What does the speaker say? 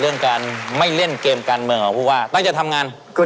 เอาเว้ยมันเว้ย